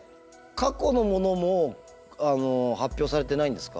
過去のものも発表されてないんですか？